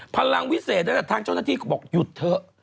พลังวิเศษนั่นแหละทางเจ้าหน้าที่ก็บอกหยุดเถอะ